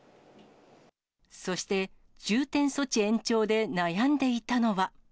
そして、重点措置延長で悩んでいたのは。